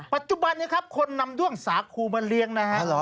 ปัจจุบันนี้ครับคนนำด้วงสาคูมาเลี้ยงนะฮะ